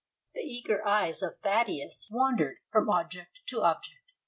The eager eyes of Thaddeus wandered from object to object.